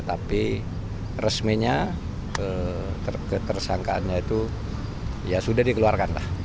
tapi resmenya tersangkaannya itu ya sudah dikeluarkan lah